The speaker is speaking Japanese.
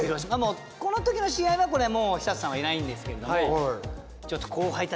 この時の試合はこれもう寿人さんはいないんですけれども。